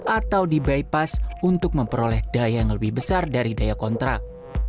atau di bypass untuk memperoleh daya yang lebih besar dari daya kontrak